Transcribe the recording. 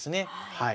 はい。